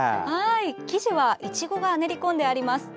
生地はイチゴが練り込んであります。